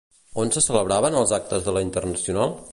On se celebraven els actes de la Internacional?